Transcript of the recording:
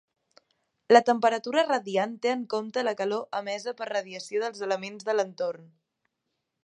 La temperatura radiant té en compte la calor emesa per radiació dels elements de l'entorn.